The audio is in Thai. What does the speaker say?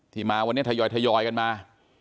มาวันนี้ทยอยกันมา